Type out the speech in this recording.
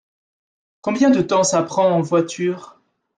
Combien de temps ça prend en voiture ?